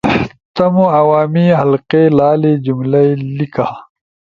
تمو عوامی حلقے لالی جملہ ئی لیِکا